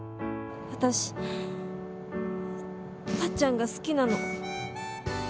私タッちゃんが好きなの。